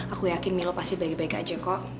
aku yakin milo pasti baik baik aja kok